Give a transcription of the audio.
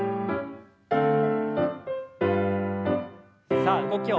さあ動きを早く。